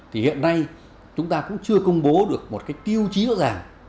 thì hiện nay chúng ta cũng chưa công bố được một cái tiêu chí rõ ràng